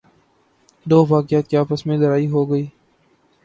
دوباقیات کی آپس میں لڑائی ہوگئی۔